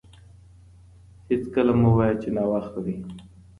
هېڅکله مه وايه چي ناوخته دی.